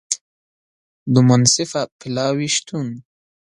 د منصفه پلاوي شتون